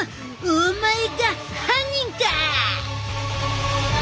お前が犯人か！